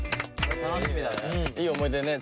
楽しみだね。